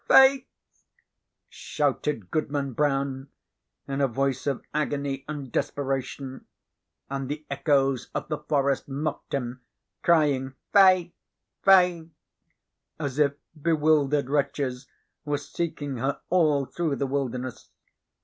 "Faith!" shouted Goodman Brown, in a voice of agony and desperation; and the echoes of the forest mocked him, crying, "Faith! Faith!" as if bewildered wretches were seeking her all through the wilderness.